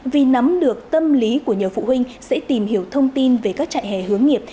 vì nắm được tâm lý của nhiều phụ huynh sẽ tìm hiểu thông tin về các trại hè hướng nghiệp